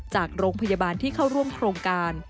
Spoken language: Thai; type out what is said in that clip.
จากโรงพยาบาลที่เข้าร่วมโครงการ